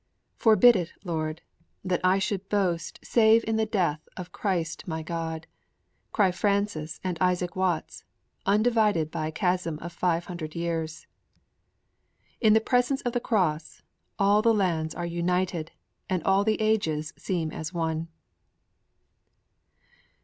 'Forbid it, Lord, that I should boast save in the death of Christ my God!' cry Francis and Isaac Watts, undivided by a chasm of five hundred years. In the presence of the Cross all the lands are united and all the ages seem as one.